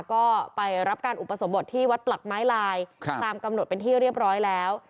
ก็ไปรับการอุปสมบทที่วัดปลักไม้ลายตามกำหนดเป็นที่เรียบร้อยแล้ว